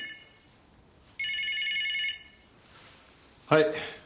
はい。